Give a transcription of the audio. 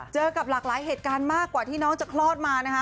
เจอกับหลากหลายเหตุการณ์มากกว่าที่น้องจะคลอดมานะคะ